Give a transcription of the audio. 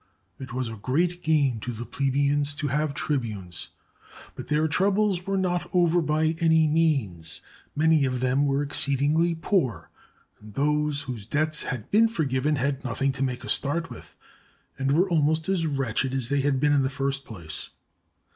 It was a great gain to the plebeians to have tribunes, but their troubles were not over by any means. Many of them were exceedingly poor, and those whose debts had been forgiven had nothing to make a start with, and were almost as wretched as they had been in the first place.